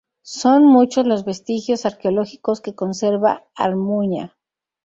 Son muchos los vestigios arqueológicos que conserva Armuña.